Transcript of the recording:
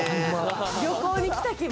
旅行に来た気分。